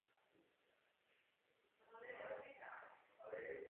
Absolvoval s nimi také četná koncertní turné po celé Evropě.